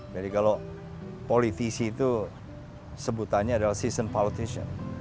jadi kalau politisi itu sebutannya adalah seasoned politician